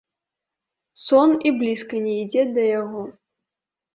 Сон і блізка не ідзе да яго.